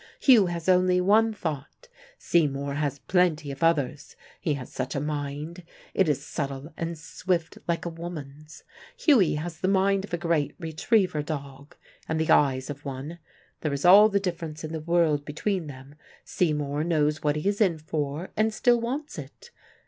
Hugh has only one thought: Seymour has plenty of others. He has such a mind: it is subtle and swift like a woman's. Hughie has the mind of a great retriever dog, and the eyes of one. There is all the difference in the world between them. Seymour knows what he is in for, and still wants it.